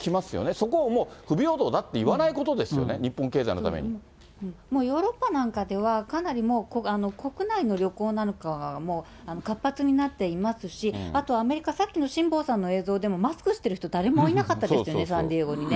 そこをもう、不平等だっていわないことですよね、日本経済のためヨーロッパなんかでは、かなりもう、国内の旅行なんかはもう活発になっていますし、あとアメリカ、さっきの辛坊さんの映像でも、マスクしてる人、誰もいなかったですよね、サンディエゴにね。